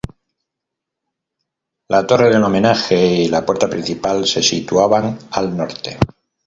La torre del homenaje y la puerta principal se situaban al norte.